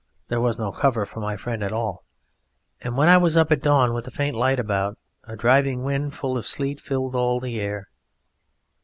There was no cover for my friend at all. And when I was up at dawn with the faint light about, a driving wind full of sleet filled all the air.